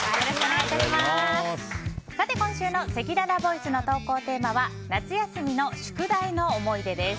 今週のせきららボイスの投稿テーマは夏休みの宿題の思い出です。